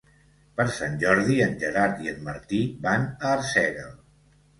Per Sant Jordi en Gerard i en Martí van a Arsèguel.